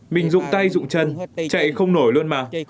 mình dụng tay dụng chân chạy không nổi luôn mà